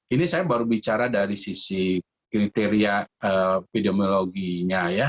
ini saya baru bicara dari sisi kriteria epidemiologinya ya